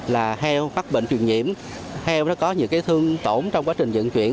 là heo phát bệnh truyền nhiễm heo có những thương tổn trong quá trình dựng chuyển